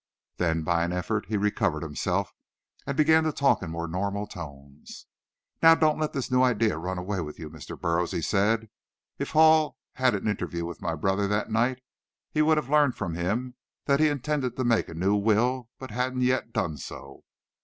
Then, by an effort, he recovered himself, and began to talk in more normal tones. "Now, don't let this new idea run away with you, Mr. Burroughs," he said. "If Hall had an interview with my brother that night, he would have learned from him that he intended to make a new will, but hadn't yet done so."